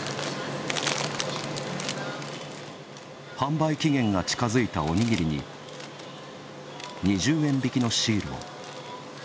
販売期限が近づいたおにぎりに、２０円引きのシールを。